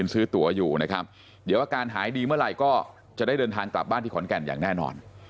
ซื้อตัวอยู่นะครับเดี๋ยวอาการหายดีเมื่อไหร่ก็จะได้เดินทางกลับบ้านที่ขอนแก่นอย่างแน่นอน